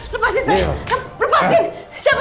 ternyata gue kecolongan